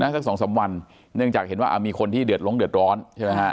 สัก๒๓วันเนื่องจากเห็นว่ามีคนที่เดือดลงเดือดร้อนใช่ไหมฮะ